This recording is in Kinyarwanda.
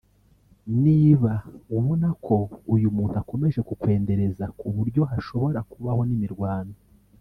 Niba ubona ko uyu muntu akomeje kukwendereza ku buryo hashobora kubaho n’imirwano